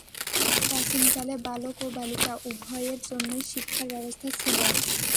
প্রাচীনকালে বালক ও বালিকা উভয়ের জন্যই শিক্ষার ব্যবস্থা ছিল।